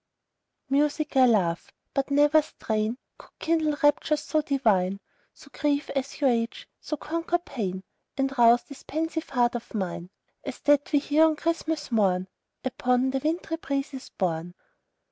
Music I love but never strain Could kindle raptures so divine, So grief assuage, so conquer pain, And rouse this pensive heart of mine As that we hear on Christmas morn, Upon the wintry breezes borne.